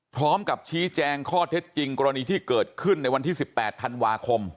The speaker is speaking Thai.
พร้อมกับชี้แจงข้อเท็จจริงกรณีที่เกิดขึ้นในวันที่๑๘ธันวาคม